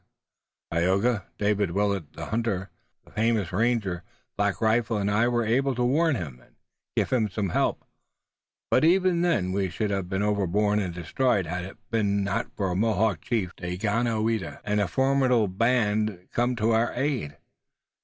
Tayoga, David Willet, the hunter, the famous ranger Black Rifle and I were able to warn him and give him some help, but even then we should have been overborne and destroyed had not a Mohawk chief, Daganoweda, and a formidable band come to our aid.